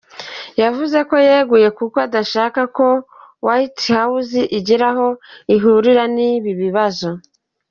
Yavuze ko yeguye kuko adashaka ko White House, igira aho ihurira n’ibi bibazo.